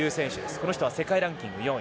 この人は世界ランキング４位。